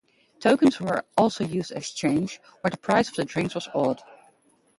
Tokens were also used as change, where the price of the drink was odd.